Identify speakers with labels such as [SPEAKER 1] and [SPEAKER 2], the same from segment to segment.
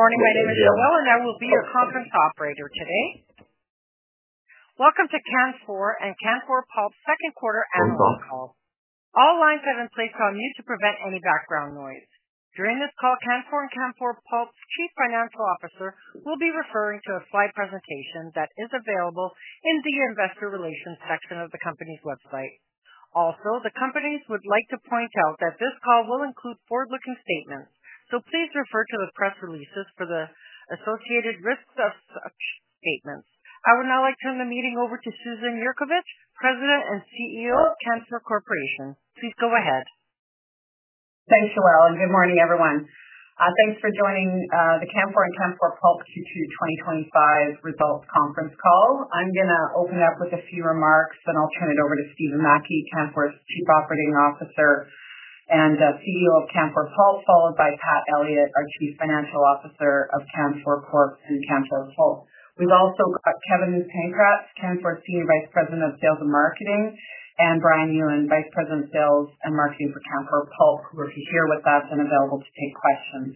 [SPEAKER 1] Good morning. My name is Leah Well, and I will be your conference operator today. Welcome to Canfor and Canfor Pulp's second quarter analyst call. All lines have been placed on mute to prevent any background noise. During this call, Canfor and Canfor Pulp's Chief Financial Officer will be referring to a slide presentation that is available in the investor relations section of the company’s website. Also, the companies would like to point out that this call will include forward-looking statements, so please refer to the press releases for the associated risks of such statements. I would now like to turn the meeting over to Susan Yurkovich [President and Chief Executive Officer] (Canfor Corporation). Please go ahead.
[SPEAKER 2] Thanks, Joelle, and good morning, everyone. Thanks for joining the Canfor and Canfor Pulp Q2 2025 results conference call. I'm going to open up with a few remarks, then I'll turn it over to Stephen Mackie [Chief Operating Officer] (Canfor Corporation) and [Chief Executive Officer] (Canfor Pulp), followed by Pat Elliott [Chief Financial Officer] (Canfor Corporation and Canfor Pulp). We've also got Kevin Pankratz [Senior Vice President of Sales and Marketing] (Canfor Corporation) and Brian Ewen [Vice President of Sales and Marketing] (Canfor Pulp), who will be here with us and available to take questions.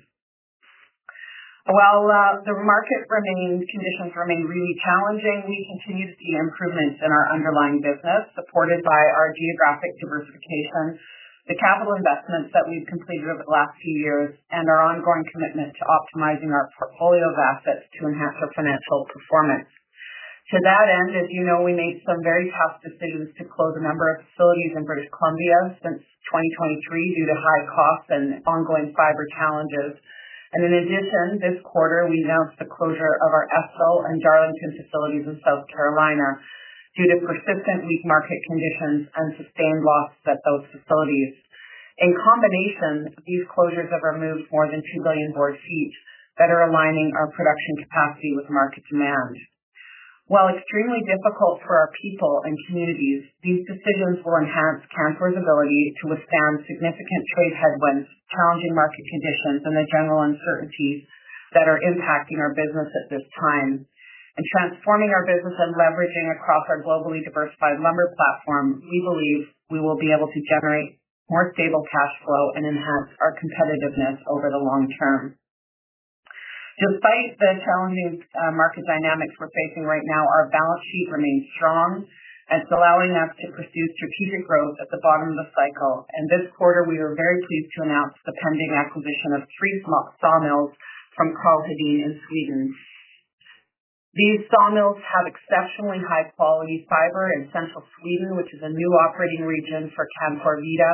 [SPEAKER 2] While the market conditions remain really challenging, we continue to see improvements in our underlying business supported by our geographic diversification, the capital investments that we've completed over the last few years, and our ongoing commitment to optimizing our portfolio of assets to enhance our financial performance. To that end, as you know, we made some very tough decisions to close a number of facilities in British Columbia since 2023 due to high costs and ongoing fiber challenges. In addition, this quarter, we announced the closure of our Estill and Darlington facilities in South Carolina due to persistent weak market conditions and sustained losses at those facilities. In combination, these closures have removed more than 2 billion board feet, aligning our production capacity with market demand. While extremely difficult for our people and communities, these decisions will enhance Canfor’s ability to withstand significant trade headwinds, challenging market conditions, and the general uncertainties that are impacting our business at this time. In transforming our business and leveraging our globally diversified lumber platform, we believe we will be able to generate more stable cash flow and enhance our competitiveness over the long term. Despite the challenging market dynamics we're facing right now, our balance sheet remains strong, allowing us to pursue strategic growth at the bottom of the cycle. This quarter, we are very pleased to announce the fully funded acquisition of three small sawmills from AB Karl Hedin in Sweden. These sawmills have exceptionally high-quality fiber in central Sweden, which is a new operating region for Canfor Vida,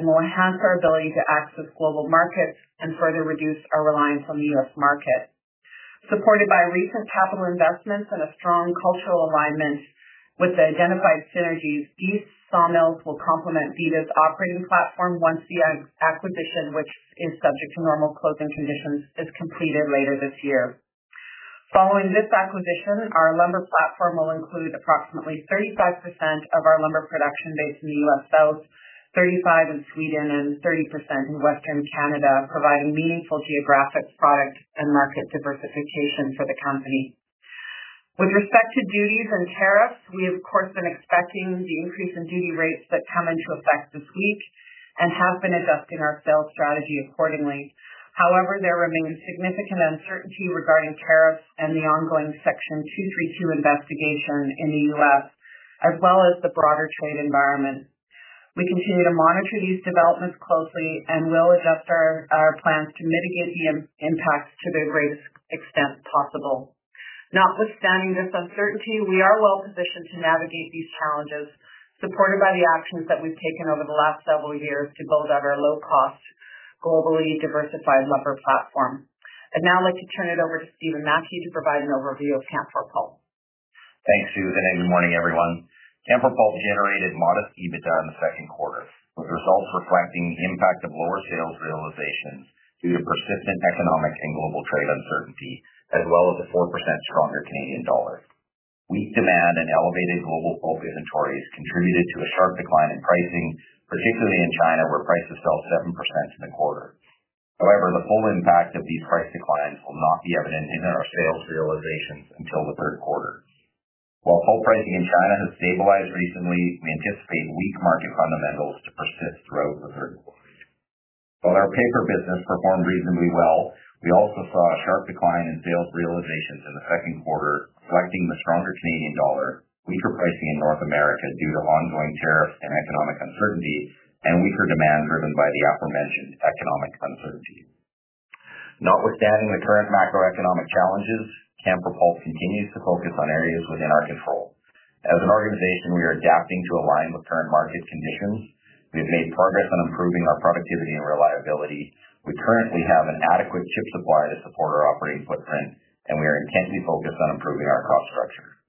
[SPEAKER 2] and will enhance our ability to access global markets and further reduce our reliance on the U.S. market. Supported by recent capital investments and a strong cultural alignment with the identified synergies, these sawmills will complement Vida’s operating platform once the acquisition, which is subject to normal closing conditions, is completed later this year. Following this acquisition, our lumber platform will include approximately 35% of our lumber production based in the United States. South, 35% in Sweden, and 30% in Western Canada, providing meaningful geographic, product, and market diversification for the company. With respect to duties and tariffs, we, of course, have been expecting the increase in duty rates that come into effect this week and have been adjusting our sales strategy accordingly. However, there remains significant uncertainty regarding tariffs and the ongoing Section 232 investigation in the U.S., as well as the broader trade environment. We continue to monitor these developments closely and will adjust our plans to mitigate the impacts to the greatest extent possible. Notwithstanding this uncertainty, we are well positioned to navigate these challenges, supported by the actions that we’ve taken over the last several years to build out our low-cost, globally diversified lumber platform. I’d now like to turn it over to Stephen Mackie [Chief Operating Officer] (Canfor Corporation) and [Chief Executive Officer] (Canfor Pulp) to provide an overview of Canfor Pulp.
[SPEAKER 3] Thanks, Sue, and good morning, everyone. Canfor Pulp generated modest EBITDA in the second quarter, with results reflecting the impact of lower sales realizations due to persistent economic and global trade uncertainty, as well as a 4% stronger Canadian dollar. Weak demand and elevated global pulp inventories contributed to a sharp decline in pricing, particularly in China, where prices fell 7% in the quarter. However, the full impact of these price declines will not be evident in our sales realizations until the third quarter. While pulp pricing in China has stabilized recently, we anticipate weak market fundamentals to persist throughout the third quarter. While our paper business performed reasonably well, we also saw a sharp decline in sales realizations in the second quarter, reflecting the stronger Canadian dollar, weaker pricing in North America due to ongoing tariffs and economic uncertainty, and softer demand driven by the same economic conditions. Notwithstanding the current macroeconomic challenges, Canfor Pulp continues to focus on areas within our control. As an organization, we are adapting to align with current market conditions. We've made progress on improving our productivity and reliability. We currently have an adequate chip supply to support our operating footprint, and we are intentionally focused on improving our cost structure.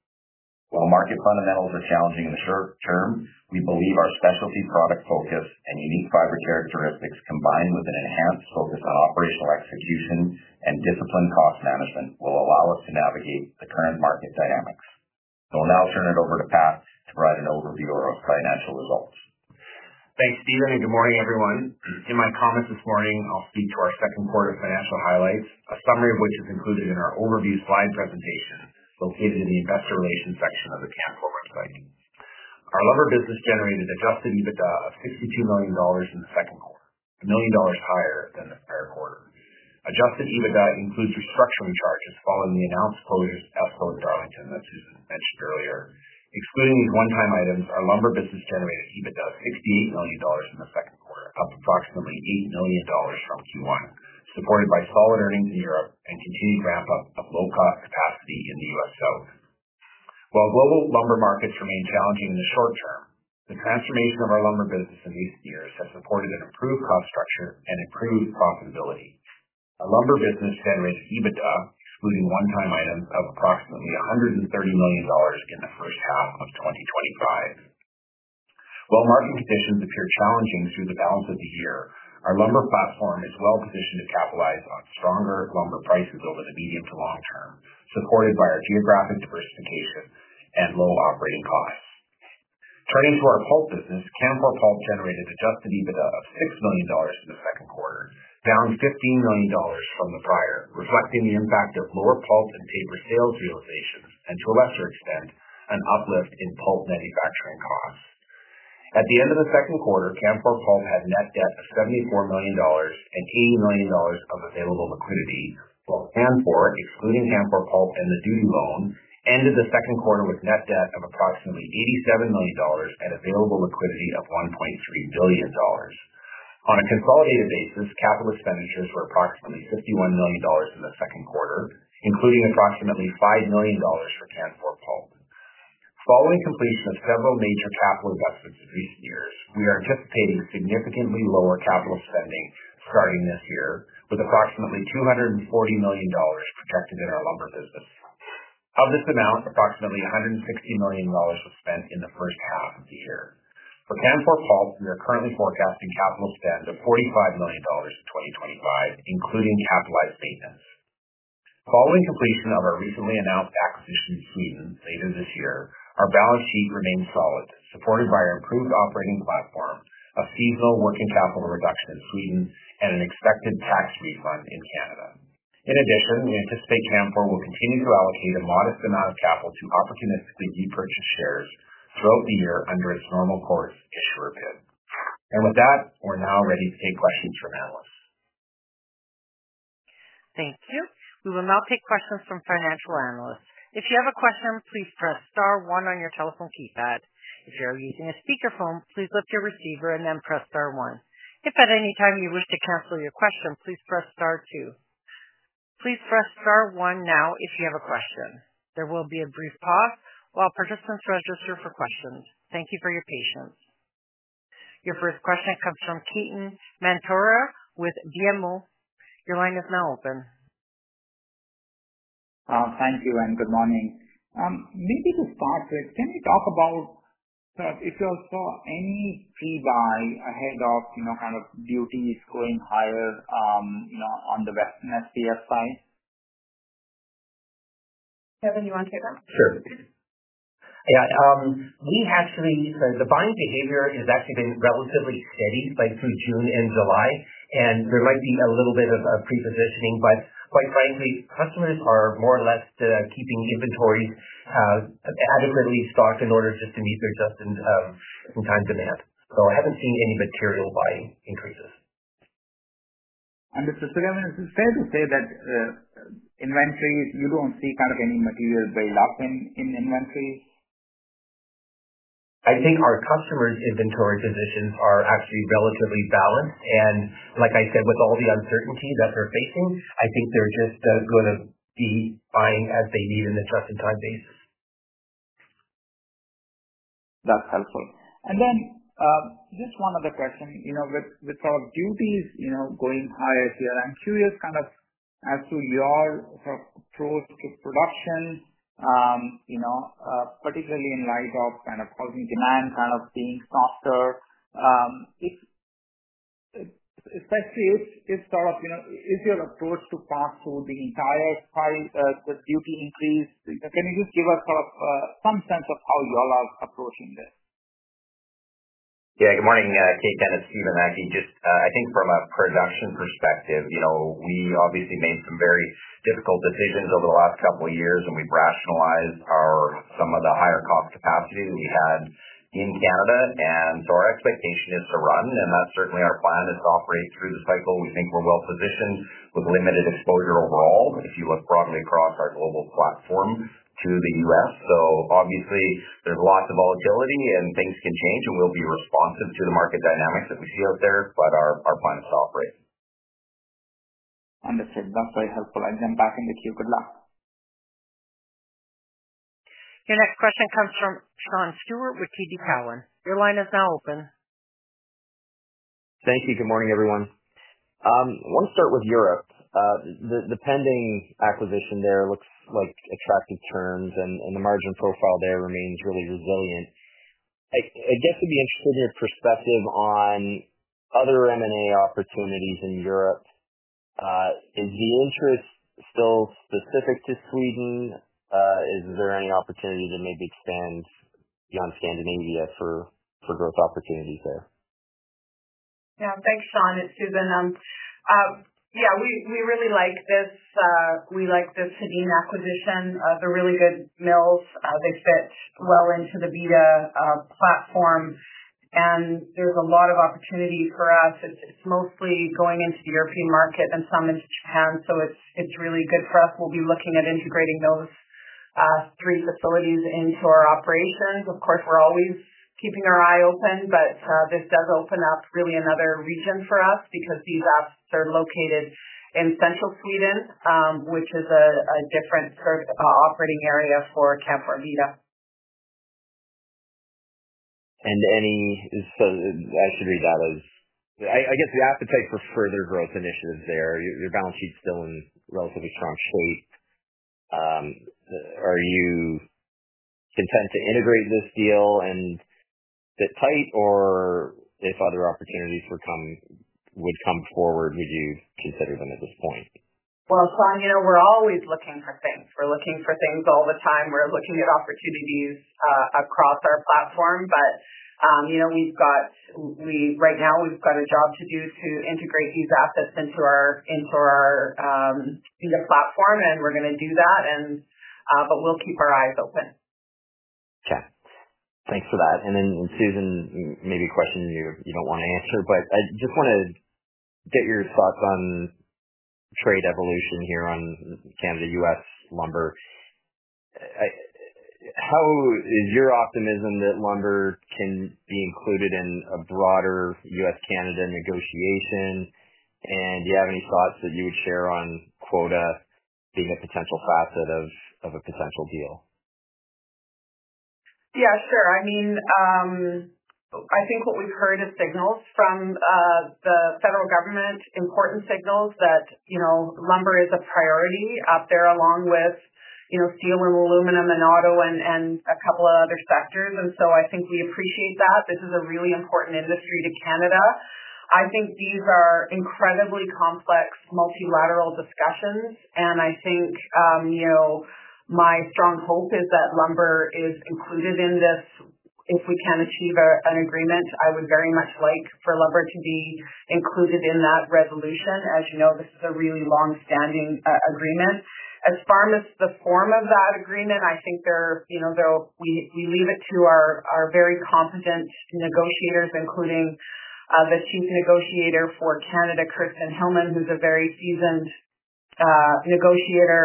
[SPEAKER 3] While market fundamentals are challenging in the short term, we believe our specialty product focus and unique fiber characteristics, combined with an enhanced focus on operational execution and disciplined cost management, will allow us to navigate the current market dynamics. I’ll now turn it over to Pat Elliott [Chief Financial Officer] (Canfor Corporation and Canfor Pulp) to provide an overview of our financial results.
[SPEAKER 4] Thanks, Stephen, and good morning, everyone. In my comments this morning, I’ll speak to our second quarter financial highlights, a summary of which is included in our overview slide presentation located in the investor relations section of the Canfor website. Our lumber business generated adjusted EBITDA of $62 million in the second quarter, $1 million higher than the prior quarter. Adjusted EBITDA includes the restructuring charges following the announced closures of Estill and Darlington that Susan mentioned earlier. Excluding these one-time items, our lumber business generated EBITDA of $68 million in the second quarter, up approximately $8 million from Q1, supported by solid earnings in Europe and continued ramp-up of low-cost capacity in the U.S. South. While global lumber markets remain challenging in the short term, the transformation of our lumber business in recent years has supported an improved cost structure and stronger profitability. Our lumber business generated EBITDA, including one-time items, of approximately $130 million in the first half of 2025. While market conditions appear challenging through the balance of the year, our lumber platform is well positioned to capitalize on stronger lumber prices over the medium to long term, supported by our geographic diversification and low operating costs. On a consolidated basis, capital expenditures were approximately $61 million in the second quarter, including approximately $5 million for Canfor Pulp. Following completion of several major capital investments in recent years, we are anticipating significantly lower capital spending starting this year, with approximately $240 million projected in our lumber business. Of this amount, approximately $160 million was spent in the first half of the year. For Canfor Pulp, we are currently forecasting capital spending of $45 million in 2025, including capitalized statements. Following completion of our recently announced tax initiative in Sweden later this year, our balance sheet remains solid, supported by our improved operating platform, a seasonal working capital reduction in Sweden, and an expected tax refund in Canada. In addition, we anticipate Canfor will continue to allocate a modest amount of capital to opportunistically repurchase shares throughout the year under its normal course issuer bid. With that, we're now ready to take questions from analysts.
[SPEAKER 1] Thank you. We will now take questions from financial analysts. If you have a question, please press *1 on your telephone keypad. If you are using a speakerphone, please lift your receiver and then press *1. If at any time you wish to cancel your question, please press *2. Please press *1 now if you have a question. There will be a brief pause while participants register for questions. Thank you for your patience. Your first question comes from Ketan Mamtora [Director of Forest Products Equity Research] (CIBC Capital Markets). Your line is now open.
[SPEAKER 5] Thank you and good morning. Maybe to start with, can you talk about if you saw any buy ahead of, you know, kind of duties going higher, you know, on the Western Spruce-Pine-Fir side?
[SPEAKER 1] Kevin, do you want to take that?
[SPEAKER 6] Sure. Yeah. The buying behavior has actually been relatively steady, spiked through June and July, and there might be a little bit of pre-positioning, but quite frankly, customers are more or less keeping inventories adequately stocked in order just to meet the just-in-time demand. I haven’t seen any material buying increases.
[SPEAKER 5] Mr. Kevin, is it safe to say that inventories, you don't see kind of any material buildup in inventories?
[SPEAKER 6] I think our customers’ inventory positions are actually relatively balanced. Like I said, with all the uncertainty that they’re facing, I think they’re just going to be buying as they need on a just-in-time basis.
[SPEAKER 5] That's helpful. That’s helpful. Just one other question — with duties going higher here, I’m curious about your approach to production, particularly in light of softer demand. Especially at startup, is your approach to pass through the entire filed duty increase? Can you give us some sense of how you all are approaching this?
[SPEAKER 3] Yeah, good morning. Stephen Mackie. From a production perspective, we’ve obviously made some very difficult decisions over the last couple of years when we rationalized some of the higher-cost capacity we had in Canada. Our expectation is to run, and that’s certainly our plan — to operate through the cycle. We think we’re well positioned with limited exposure overall if you look broadly across our global platform to the U.S. There’s lots of volatility and things can change, and we’ll be responsive to the market dynamics that we see out there, but our plan is to operate.
[SPEAKER 5] Understood. That's very helpful. I'm passing the cue. Good luck.
[SPEAKER 1] Your next question comes from Sean Steuart with TD Cowen. Your line is now open.
[SPEAKER 7] Thank you, and good morning, everyone. I want to start with Europe. The pending acquisition there looks like it’s on attractive terms, and the margin profile remains really resilient. I’d be interested in your perspective on other M&A opportunities in Europe. Is the interest still specific to Sweden, or is there any opportunity to expand beyond Scandinavia for growth opportunities there?
[SPEAKER 2] Yeah, thanks, Sean. It’s Susan. We really like the Hedin acquisition — they’re really good mills. They fit well into the Vida platform, and there’s a lot of opportunity for us. It’s mostly going into the European market and some in Japan, so it’s really good for us. We’ll be looking at integrating those three facilities into our operations. Of course, we’re always keeping our eye open, but this does open up another region for us, because these assets are located in central Sweden, which is a different operating area for Canfor Vida.
[SPEAKER 7] I see that as, I guess, the appetite for further growth initiatives there. Your balance sheet’s still in relatively strong shape. Are you content to integrate this deal and sit tight, or if other opportunities were to come forward, would you consider them at this point?
[SPEAKER 2] Sean, you know, we’re always looking for things. We’re looking for things all the time — we’re looking at opportunities across our platform. Right now, we’ve got a job to do to integrate these assets into our Vida platform, and we’re going to do that. But we’ll keep our eyes open.
[SPEAKER 7] Okay, thanks for that. Susan, maybe a question you don’t want to answer, but I just want to get your thoughts on the trade evolution between Canada and the U.S. for lumber. How optimistic are you that lumber can be included in a broader U.S.-Canada negotiation? Do you have any thoughts you’d share on quota being a potential facet of a possible deal?
[SPEAKER 2] Yeah, sure. I think what we’ve heard are signals from the federal government — important signals — that lumber is a priority along with steel, aluminum, autos, and a couple of other sectors. We appreciate that. This is a really important industry to Canada. These are incredibly complex multilateral discussions, and my strong hope is that lumber is included in them. If we can achieve an agreement, I would very much like for lumber to be part of that resolution. As you know, this is a long-standing issue, and as far as the form of that agreement, I think we’ll leave it to our very competent negotiators, including the Senior Negotiator for Canada, Kirsten Hillman, who’s a very seasoned negotiator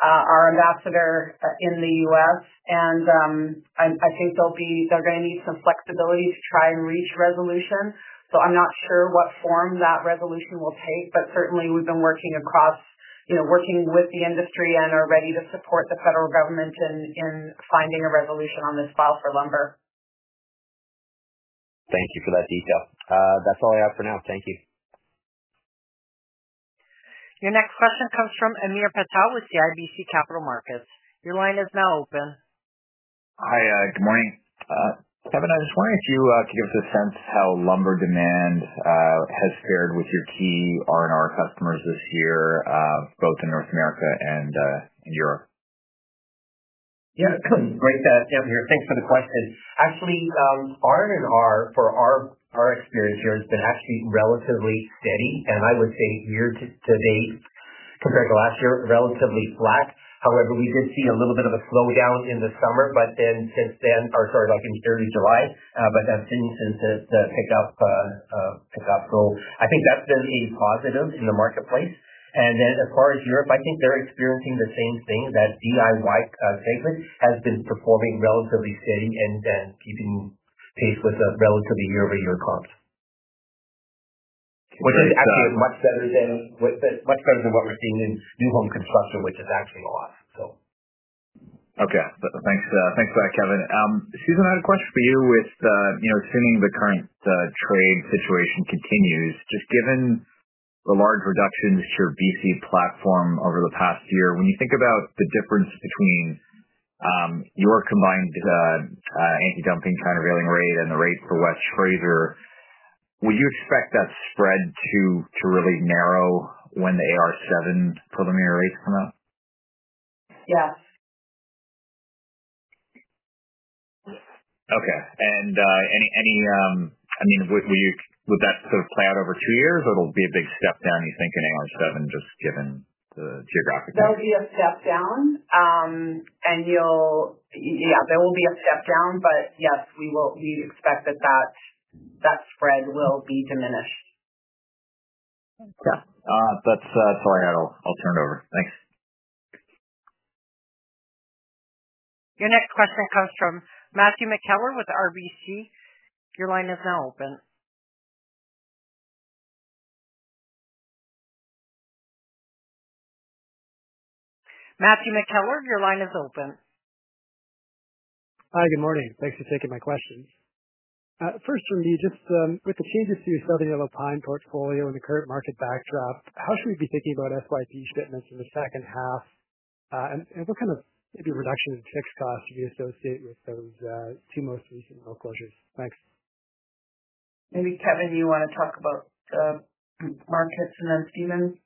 [SPEAKER 2] and our Ambassador to the U.S. I think they’re going to need some flexibility to try and reach a resolution. I’m not sure what form that resolution will take, but we’ve certainly been working across the industry and are ready to support the federal government in finding a resolution on this file for lumber.
[SPEAKER 7] Thank you for that detail. That's all I have for now. Thank you.
[SPEAKER 1] Your next question comes from Hamir Patel with CIBC Capital Markets. Your line is now open.
[SPEAKER 8] Hi, good morning. Kevin, I was wondering if you could give us a sense of how lumber demand has fared with your key R&R customers this year, both in North America and in Europe?
[SPEAKER 6] Yeah, great to have you here. Thanks for the question. Actually, R&R demand, from our experience, has been relatively steady, and I would say year to date, compared to last year, it’s been relatively flat. However, we did see a bit of a slowdown in early July, but since then, there’s been some pickup, which I think is really positive in the marketplace. As for Europe, I think they’re experiencing the same thing — the DIY segment has been performing relatively steadily and keeping pace year over year, which is actually much better than what we’re seeing in new home construction, which remains soft.
[SPEAKER 8] Thanks for that, Kevin. Susan, I had a question for you. Assuming the current trade situation continues, and given the large reductions to your B.C. platform over the past year, when you think about the difference between your combined anti-dumping and countervailing duty rate and the rate for West Fraser, would you expect that spread to narrow when the AR7 preliminary rates come out?
[SPEAKER 2] Yes.
[SPEAKER 8] Okay. Would that sort of play out over two years, or it'll be a big step down, you think, in AR7, just given the geographic?
[SPEAKER 2] There will be a step down. Yes, we will expect that that spread will be diminished.
[SPEAKER 8] Okay. All right. That's all I have. I'll turn it over. Thanks.
[SPEAKER 1] Your next question comes from Matthew McKellar with RBC Capital Markets. Your line is now open. Matthew McKellar, your line is open.
[SPEAKER 9] Hi, good morning. Thanks for taking my questions. First, with the changes to your Southern Yellow Pine portfolio and the current market backdrop, how should we be thinking about SYP business in the second half? What kind of reduction in fixed costs do you associate with those two most recent mill closures? Thanks.
[SPEAKER 1] Maybe Kevin, you want to talk about the markets and then Stephen?
[SPEAKER 6] Okay.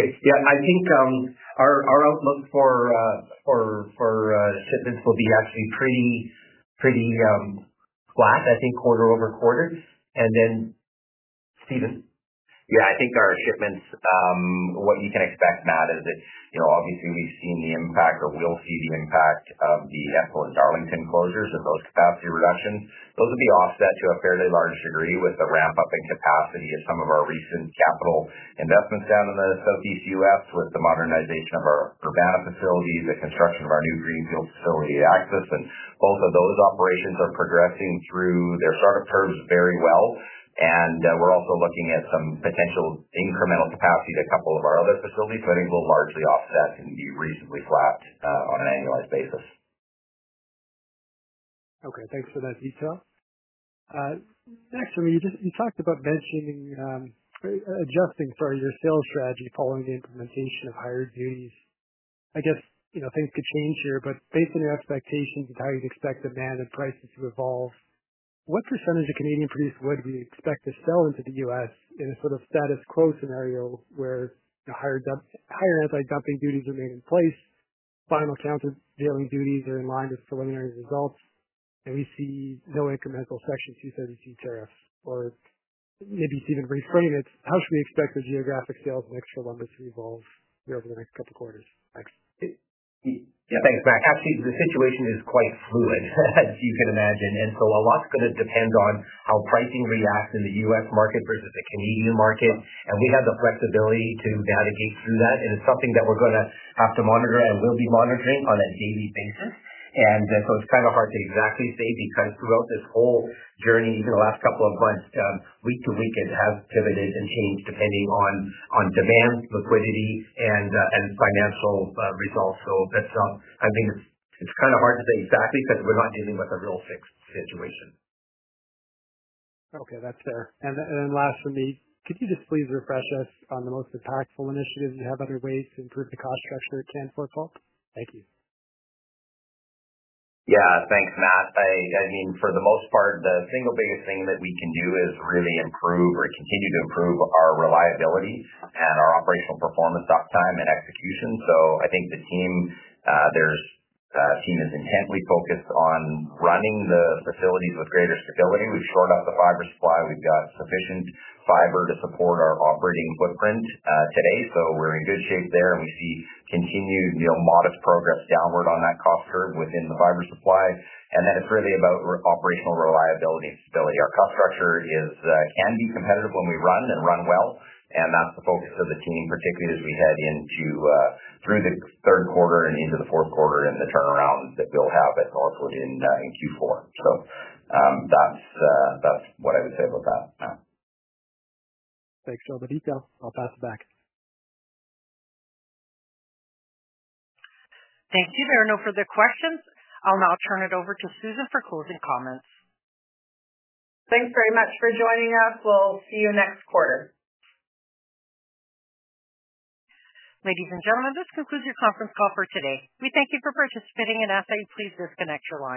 [SPEAKER 6] I think our outlook for fitness will be actually pretty, pretty flat, I think, quarter over quarter. Stephen?
[SPEAKER 3] Yeah, I think what you can expect from our shipments now is that we’ll obviously see the impact of the Estill and Darlington closures with those capacity reductions. However, those will be offset to a large degree by the ramp-up in capacity from some of our recent capital investments in the Southeast U.S., including the modernization of our Urbana facilities and the construction of our new greenfield facility at Axis. Both of those operations are progressing through their startup phases very well. We’re also looking at some potential incremental capacity additions at a couple of our other facilities. Overall, I think we’ll largely offset the closures and be reasonably flat on an annualized basis.
[SPEAKER 9] Okay, thanks for that detail. Next, you talked about adjusting your sales strategy following the implementation of higher duties. I guess things could change here, but based on your expectations for demand and pricing, what percentage of Canadian-produced wood do you expect to sell into the U.S. under a status quo scenario — where higher anti-dumping duties remain in place, final countervailing duties align with preliminary results, and there are no incremental Section 232 tariffs? Maybe to rephrase it, how do you expect the geographic sales mix for lumber to evolve over the next couple of quarters?
[SPEAKER 3] Yeah, thanks, Matt. The situation is quite fluid, as you can imagine. A lot is going to depend on how pricing reacts in the U.S. market versus the Canadian market. We have the flexibility to navigate through that, and it’s something we’ll be monitoring closely on a daily basis. It’s difficult to give an exact figure because, throughout this process over the past couple of months, market conditions have shifted week to week depending on demand, liquidity, and financial results. So, it’s hard to pinpoint an exact number since we’re not dealing with a fixed environment.
[SPEAKER 9] Okay. That's fair. Last from me, could you just please reflect us on the most impactful initiatives you have underway to improve the cost structure at Canfor Pulp? Thank you.
[SPEAKER 2] Yeah, thanks, Matt. For the most part, the single biggest thing we can do is continue to improve our reliability and overall operational performance — uptime and execution. I think the team is highly focused on running the facilities with greater stability. We’ve strengthened our fiber supply and currently have sufficient fiber to support our operating footprint, so we’re in good shape there. We’re seeing continued modest progress downward on that cost curve within the fiber supply, and from here, it’s really about operational reliability and stability. Our cost structure can be competitive when we run — and run well — and that’s the team’s focus, particularly as we move through the third quarter and into the fourth, with a scheduled turnaround in Q4. That’s what I’d say about that.
[SPEAKER 9] Thanks for all the details. I'll pass it back.
[SPEAKER 1] Thank you. There are no further questions. I'll now turn it over to Susan for closing comments.
[SPEAKER 2] Thanks very much for joining us. We'll see you next quarter.
[SPEAKER 1] Ladies and gentlemen, this concludes your conference call for today. We thank you for participating and ask that you please disconnect your line.